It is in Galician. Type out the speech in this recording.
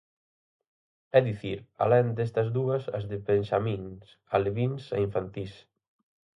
É dicir, alén destas dúas, as de benxamíns, alevíns e infantís.